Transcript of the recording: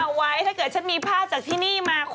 พอดีแฟนรายการมีงานประจำอยู่แถวนั้น